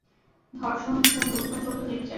ধর্ষণ, খুন, লুণ্ঠন চলত নির্বিচারে।